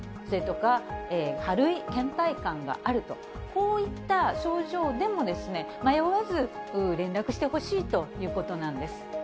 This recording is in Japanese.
それとか、軽いけん怠感があると、こういった症状でも、迷わず連絡してほしいということなんです。